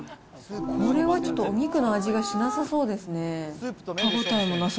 これはちょっと、お肉の味がしなさそうですね。